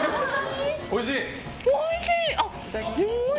おいしい！